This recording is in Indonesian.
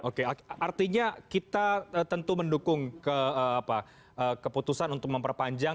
oke artinya kita tentu mendukung keputusan untuk memperpanjang